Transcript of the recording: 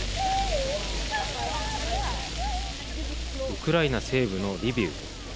ウクライナ西部のリビウ。